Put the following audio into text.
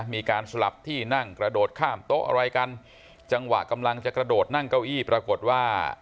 มีการสลับที่นั่งกระโดดข้ามโต๊ะอะไรกันจังหวะกำลังจะกระโดดนั่งเก้าอี้ปรากฏว่า